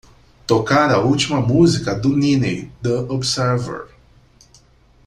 tocar a última música do Niney The Observer